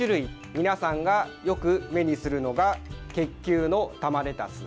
皆さんがよく目にするのが結球の玉レタス。